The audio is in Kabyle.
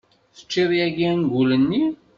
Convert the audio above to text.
Tecciḍ yagi angul-nni.